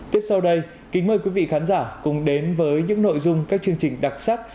tiếp sau đây kính mời quý vị khán giả cùng đến với những nội dung các chương trình đặc sắc